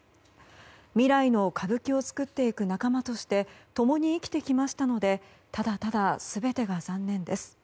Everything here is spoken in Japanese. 未来の歌舞伎を作っていく仲間として共に生きてきましたのでただただ全てが残念です。